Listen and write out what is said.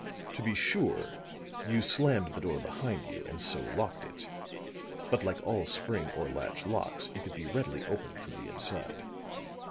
To be sure, you slammed the door behind you; and so locked it. But like all spring or latch locks, it could be readily opened from the inside.